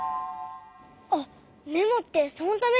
あっメモってそのために？